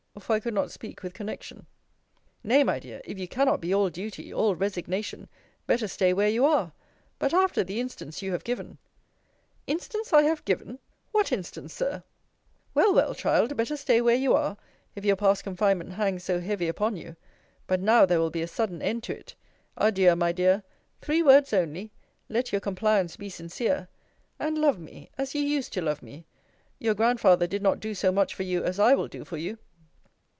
for I could not speak with connexion. Nay, my dear, if you cannot be all duty, all resignation better stay where you are. But after the instance you have given Instance I have given! What instance, Sir? Well, well, Child, better stay where you are, if your past confinement hangs so heavy upon you but now there will be a sudden end to it Adieu, my dear! Three words only Let your compliance be sincere! and love me, as you used to love me your Grandfather did not do so much for you, as I will do for you.